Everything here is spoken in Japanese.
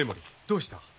どうした？